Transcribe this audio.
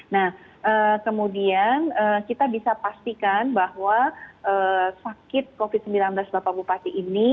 nah kemudian kita bisa pastikan bahwa sakit covid sembilan belas bapak bupati ini